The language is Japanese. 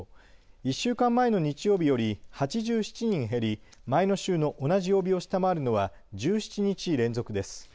１週間前の日曜日より８７人減り前の週の同じ曜日を下回るのは１７日連続です。